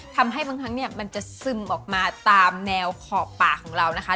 ทำให้บางครั้งเนี่ยมันจะซึมออกมาตามแนวขอบป่าของเรานะคะ